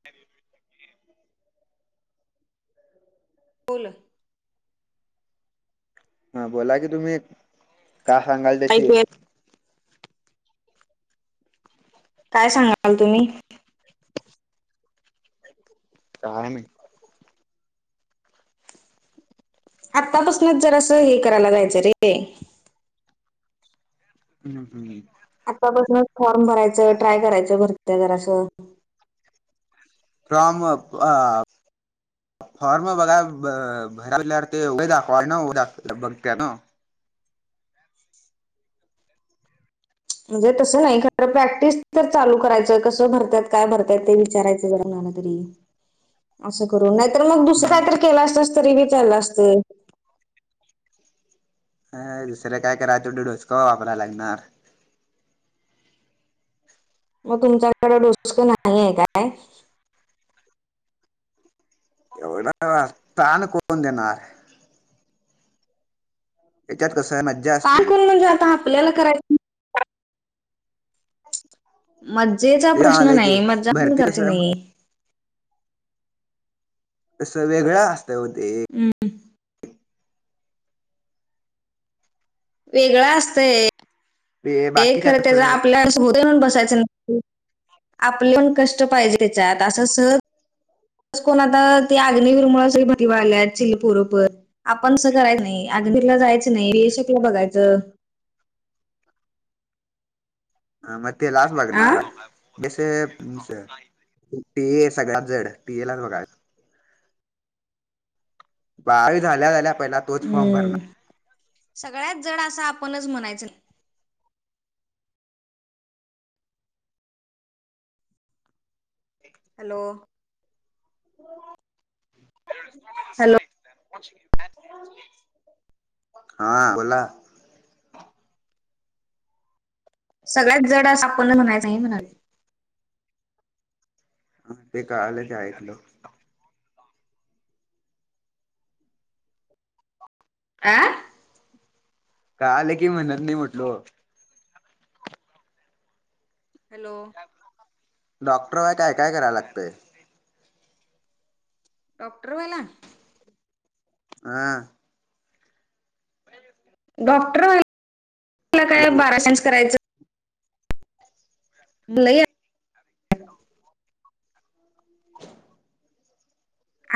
[inaudible] बोलं हा बोला की तुम्ही का सांगाल त्याची ऐकू काय सांगाल तुम्ही? काय नाही आत्तापासूनच जर असं हे करायला जायचं रे. हम्म हम्म. आत्तापसूनच फॉर्म भरायचं, ट्राय करायचं, घरत्या घराचं. फ्रॉमक आ फॉर्म बघा ब भरायला लाडते हो, उभे दाखवाय न दाख बघत्या नं. म्हणजे तसं नाही खरं प्रॅक्टिस तर चालू करायचं कसं भरत्यात. काय भरताय ते विचारायच जरा कुणाला तरी. अस करू नाही तर मग दुसर काय हम्म तर केला असतास तरी बी चाललं असतं. अ दुसरे काय कराय आता तू डोसकं वापराय लागणार. मग तुमच्याकडं डोसकं नाही आहे काय? एवढा स्थान कुठून देणार? हेच्यात कसं आहे मा ताण कोरायला म्हणजे आता आपल्याला करायचं. मजेच ते आलंय की भरती कस स्वय तसं वेगळं असतंय ओ ते. हम्म. वेगळं असतय ते हे बाकीच्या खर त्याचा कसं आपल्या [unintelligible] बसायचं हं आपलं पण कष्ट पाहिजे तेच्यात असं सहज कोण आता ते अग्नीवीरमुळ सगळी भरती व्हाय लागल्यात चिल पोर पण. आपण तसं करायच नाही. [unintelligible] जायचं नाही [unintelligible] बघायचं. हा मग तेलाचं आ बघणार हाय. [unintelligible] पीए लाच बघाय बारावी झाल्या झाल्या पहिला तोच फॉर्म हम्म भरणार. सगळ्यात जड असं आपणच म्हणायचं. हॅलो. हॅलो [unintelligible] हा बोला. सगळ्यात जड अस आपण म्हणायचं नाही म्हणालोय. हा ते काळालयं ते ऐकलो. आ? कळालं की म्हणत नाही म्हटलो. हॅलो. डॉक्टर व्हाय काय काय कराय लागतंय? डॉक्टर व्हायला? हा. डॉक्टर व्हायला काय लगे बारा [unintelligible] करायचं लय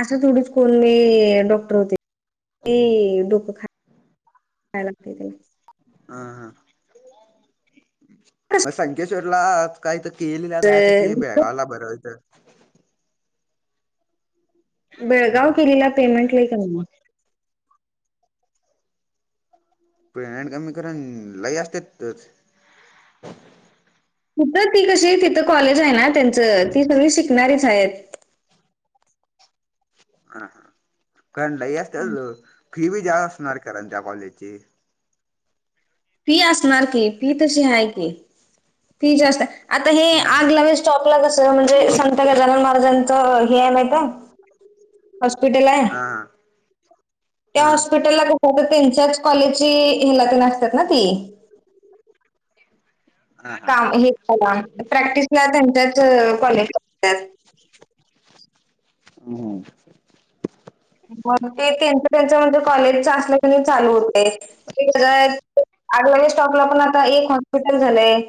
असं तेथवढच कोणी [unintelligible] डॉक्टर होते [unintelligible] डोकं खा काय लागते तेला हा, हा. मग संकेश्वरला काही तर केलेली [unintelligible] अ, बेळगावला बरं आहे तर बेळगाव केलीला पेमेंट लई कमी हाय. पेमेंट कमी करन लई असते तेच तिथ ती कशी तिथं कॉलेज आहे ना त्यांचं ती सगळी शिकणारीच आहेत. हा हा, कारण लई हम्म. असतच फी बी जास्त असणार कारण त्या कॉलेजची. फी असणार की, फी तशी आहे की. फी जास्त आता हे हम्म आग लावेस चॉकला कस म्हणजे संत गजानन महाराजांचं हे हाय माहीत हाय? हॉस्पिटल हाय. हा त्या हा हॉस्पिटलला कुठ ते त्यांच्याच कॉलेजची हेला पण असतात ना ती. हा हा काम हे करा प्रॅक्टिसला त्यांच्याच कॉलेज [unintelligible] हम्म. मग ते त्यांच त्यांच म्हणजे कॉलेज असलं की नई चालू होतंय. आगलावे स्टॉपला पण आता एक हॉस्पिटल झालंय.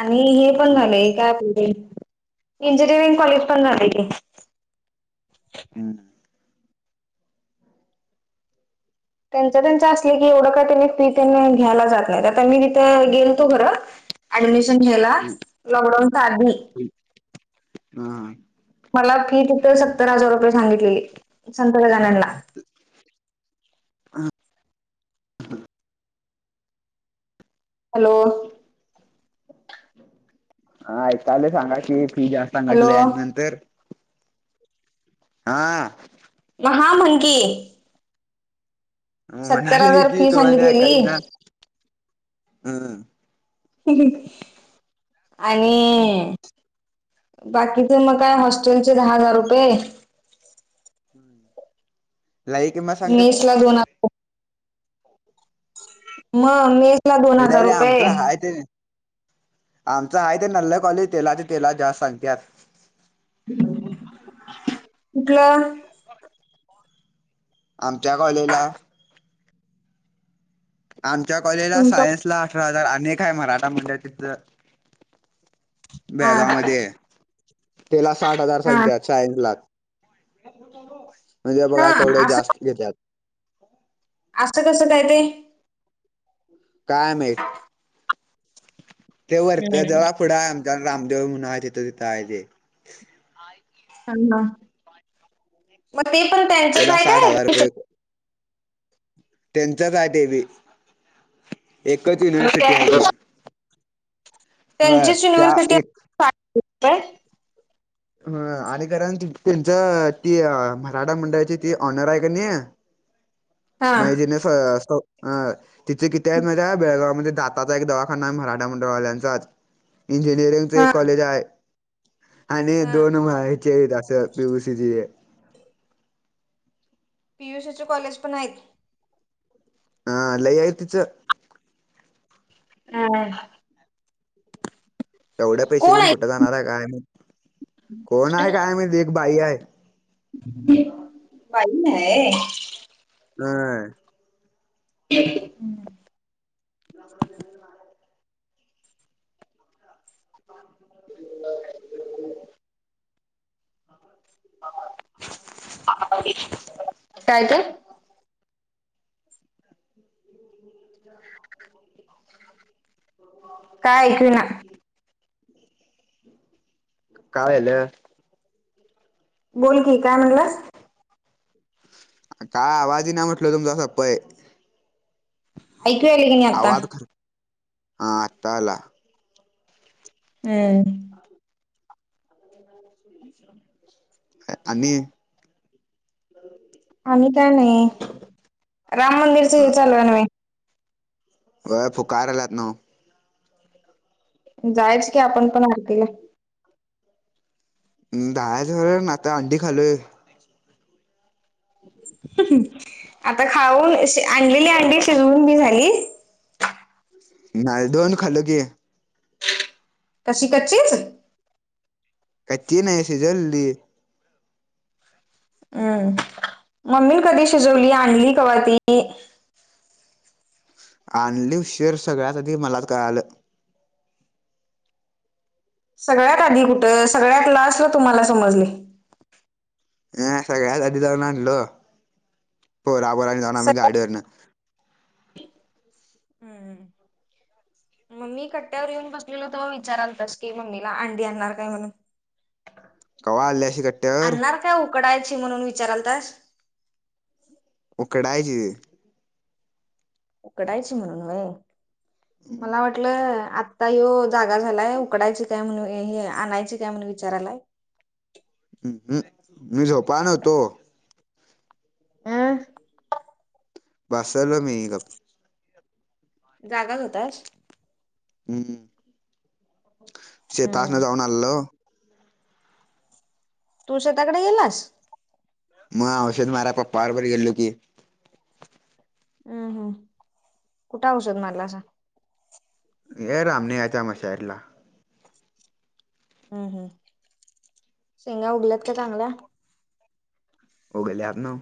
आणि हे पण झालंय काय आपलं ते, इंजिनिअरिंग कॉलेज पण झालंय की. हम्म. त्यांचा त्यांचा असलं की एवढं काय त्यांने फी त्यांने घ्यायला जात नाहीत आता मी तिथे गेलतो खरं ऍडमिशन घ्यायला लॉकडाऊनचा आदी हां मला फी तिथं सत्तर हजार रुपये सांगितली संत गजाननला. [unintelligible] हॅलो. [inaudible] हा ऐकायलोय सांगा की, फी जास्त हॅलो सांगितल्या आणि नंतर आं म हा म्हण की. सत्तर म्हणालेय हजार की फी तू आणि आहे काही ना सांगितलेली हां. आणि बाकी ते म काय हॉस्टेलचे दहा हजार रुपये. लाईक मेसला दोन मग मेसला दोन हजार अरे रुपये. आमचं हाय ते आमचं आहे ते नल्ला कॉलेज तेलाचे तेलात जास्त सांगत्यात. कुठलं आमच्या कॉलेजला. आमच्या कॉलेजला तुमचा सायन्सला अठरा हजार आणि एक आहे मराठा मंडळ तिथलं हा बेळगावमध्ये आहे, त्याला साठ हजार हा सांगत्यात चाळींस लाख. म्हणजे बघा हा काय केवढं असं जास्त घेत्यात. असं कसं काय ते. काय माहित? ते वरत्या हम्म देवा पुढं आहे आमच्या रामदेव म्हणून तिथं तिथं आहे तेे. थाम ना मग ते पण त्यांचच त्याला आहे साठ हजार काय. [unintelligible] त्यांचाच आहे ते बी. एकच युनिव्हर्सिटी आहे काय ती होय त्यांचीच त्या युनिव्हर्सिटी एक काय? हां आणि करण ती त्यांची ती अ मराठा मंडळाची ती ऑनर आहे क नी हा म हे ज्यांनी फळास्को अं तिथी किती आहे माझ्या बेळगाव मध्ये दाताचा एक दवाखाना आहे मराठा मंडळवाल्यांचाच. इंजिनिअरिंगचा हा एक कॉलेज आहे आणि हा दोन व्हायचे आहेत असं पीयूसीचे. पी यू शेचा कॉलेज पण आहेत. हा लई आहे तिथं. आय तेवढ्या पैशे घेऊन कुठे जाणार आहे काय माहित, कोण आहे काय माहित एक बाई आहे. बाई नाय [unintelligible] ती एकटी [unintelligible] [inaudible] काय ते [inaudible] काय ऐकवी ना. काय यालं? बोल की काय म्हणलास? काय आवाजही ना म्हटल तुमचां सप्पये. ऐकू आले की नाही आता आवाज खर हा आता आला. ऐ [inaudible] अ आणि आणि काय नई. राम मंदिरचे हे चालू हाय न्हवे व्हय फुकाराल्यात न्हव. जायच की आपण पण आरतीला. दहा जवळून आता अंडी खालोय. आता खाऊन इश आणलेले अंडी शिजवून बी झाली. नाय दोन खाल्लो की. कशी कच्चीच? कच्ची नाय शिजवली ती हम्म. मम्मी कधी शिजवली, आणली कव्हा ती? आणली उशीर सगळ्यात आधी मलाच कळालं. सगळ्यात आधी कुठं, सगळ्यात लास्टला तुम्हाला समजलंय. अ सगळ्यात आधी जाऊन आणलो. पोरांबरोबर जाऊन आम्ही गाडीवरनं. हम्म. मग मी कट्यावर येऊन बसलेलो तवा विचारालतास की मम्मीला अंडी आणणार काय म्हणून? कवा आल्याशी गट्यावर? का उकडायची म्हणून विचारालतास? उकडायची उकडायची म्हणून व्हय. मला हम्म वाटलं आत आता ह्यो जागा झालाय उकडायची काय म्हणे हे-हे आणायची काय म्हणून विचारालाय. ह हम् मी झोपाय नव्हतो. अं बसलो मी गप. जागाच होतास? हं शेतासन हम्म. जाऊन आलेलो. तू शेताकडे गेलेलास? मग औषध मारायला पप्पाबरोबर गेलेलो की. हं हम्म. कुठं औषध मारलासा? ये रामण्याचा मशारेला. हम्म, हम्म. शेंगा उगल्यात काय चांगल्या? उगल्यात नव्हं.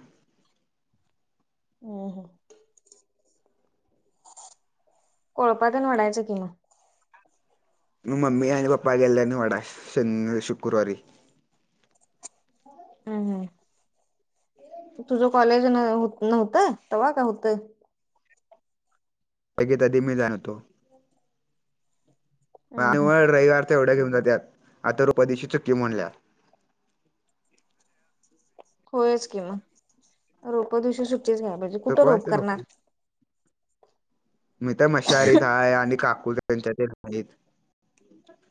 हम्म, हम्म. कोळपा तेन ओढायचं की मग. मी, मम्मी आणि पप्पा गेलेल्या नी वडाय शनी शुक्रवारी. हम्म, हम्म. तुझं कॉलेजन नव्हतं तव्हा, का हुत? [unintelligible] हम्म हम्म. आणि रविवार तेवढ घेऊन जात्यात आता रोपा दिवशी चकी मुडल्या. होयच की मग, रोपा दिवशी सुट्टीच घ्याय पाहिजे. तर कुठ कोणास रोप ठाऊक करणार? मी तर मशारीत हाये आणि काकू [unintelligible] हायीत.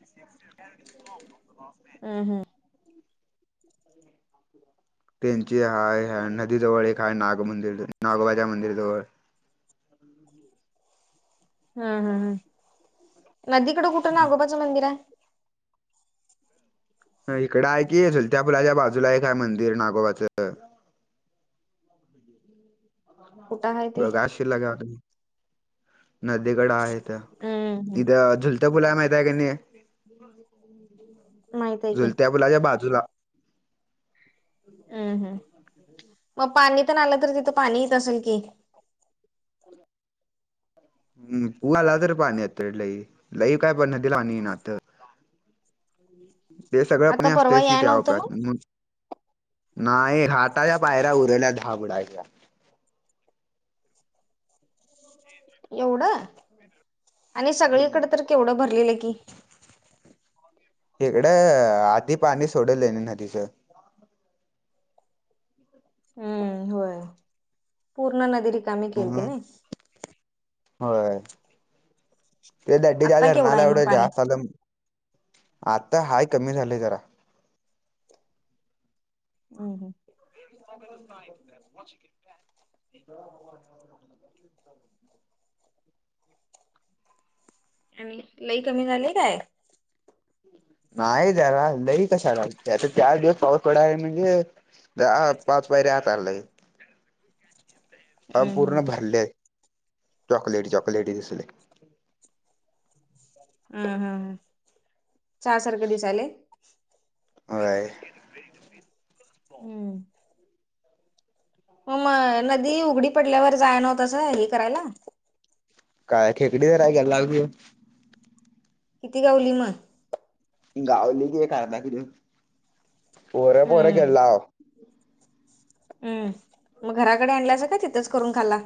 [unintelligible] हम्म, हम्म. त्यांची हाय. ह्या नदी जवळ एक हाय नाग मंदिर नागोबाच्या मंदिरजवळ. हम्म, हम्म, हम्म. नदीकडं कुठं नागोबाचं मंदिर आहे? हं इकडं आहे की झुलत्या पुलाच्या बाजूला एक आहे मंदिर नागोबाचं. कुठं आहे ते? बघ [unintelligible] नदीकड आहे. हम्म हम्म. इथं झुलत्या पुल हाय माहित आहे की नई? माहित आहे की झुलत्या पुलाच्या बाजूला. हम्म, हम्म. मग पाणी तेन आलं तर तिथं पाणी येत असलं की? हम्म. पुलाला तर पाणी येतय लई. लई काय पण नदीला पाणी ईना तर ते सगळं आता पणे परवा असतेस कि याय त्या नव्हतं उप्यात मग म नाही हाताच्या पायऱ्या उरल्या दहाबडायच्या. एवढं आणि सगळीकडे तर हम्म केवढं भरलेले की. इकडं आदी पाणी सोडवले न नदीचा. हम्म होय. पूर्ण नदी रिकामीे केलती म्हणून नाई? होय. त दड्डीच्या आता केवढं धरणाला आहे मग एवढं पाणी? जास्त आलम आता हायं कमी झालय जरा. हम्म, हम्म. [inaudible] आणली लई कमी झालीयं काय? नाय जरा लई कशाला आता चार दिवस पाऊस पडाला म्हणजे त्यात पाच पायऱ्या आता आणलय. पंप हम्म पूर्ण हम्म. भरले आहे चॉकलेटी चॉकलेटी दिसले. अ ह हा चहा सारखं दिसायलेय? व्हय हम्म. ओ मय नदी उघडी पडल्यावर जायनो तसं हे करायला. काय खेकडे वर आहे गेलाग बी आहे. किती गावली म? गावली की एखादा कीडं पोरं-पोरं हम्म गेल्लाव. उम मग घराकडे आणल्याचं का तिथंच करून खाल्ला?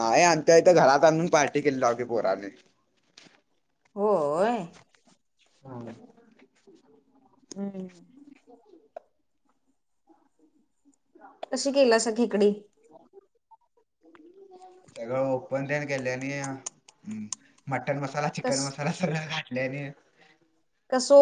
नाय आणत्यात इथं घरात आणून पार्टी केलो हो पोराने. होय. हां. हम्म. कशी केलं सघी इकडे? सगळं ओपन त्यानं केले आणि मटन मसाला कस चिकन मसाला सगळं घाटल्याने कसो